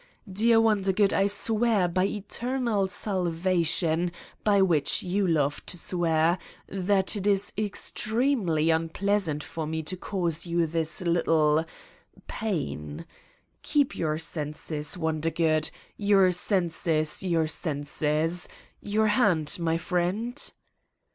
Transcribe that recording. Dear Wonder good, I swear by eternal salvation, by which you love so to swear, that it is extremely unpleasant for me to cause you this little ... pain. Keep your senses, Wondergood! Your senses, your senses! Your hand, my friend?"